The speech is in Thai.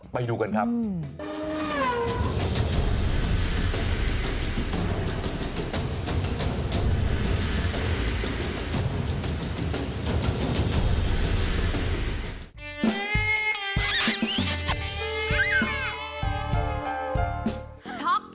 ไปดูกันครับ